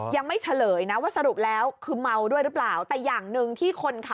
ยังไม่เฉลยนะว่ายังที่ใบเนียมเหมือนเธอค่ะ